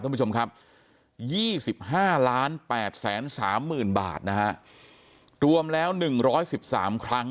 ท่านผู้ชมครับ๒๕๘๓๐๐๐บาทนะฮะรวมแล้ว๑๑๓ครั้ง